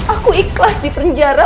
aku ikhlas di penjara